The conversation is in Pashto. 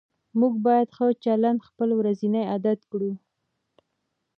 موږ باید ښه چلند خپل ورځنی عادت کړو